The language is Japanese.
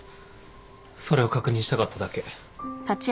それを確認したかっただけ。